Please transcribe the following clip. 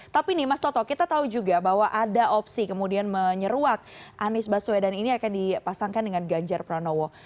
tapi nih mas toto kita tahu juga bahwa ada opsi kemudian menyeruak anies baswedan ini akan dipasangkan dengan ganjar pranowo